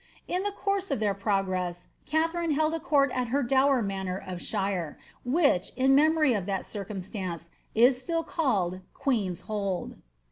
In the course of their pro gress Katharine held a court at her dower manor of Shire, which, in memory of that circumstance, is still called Qjiieen's Hold.